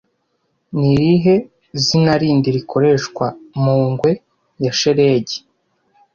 Ni irihe zina rindi rikoreshwa mu ngwe ya shelegi